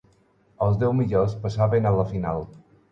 Els deu millors passaven a la final.